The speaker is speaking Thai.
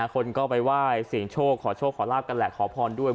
คนก็ไปไหว้เสียงโชคขอโชคขอลาบกันแหละขอพรด้วย